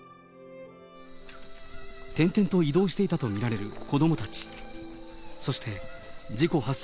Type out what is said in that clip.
点々と移動していたと見られる子どもたち。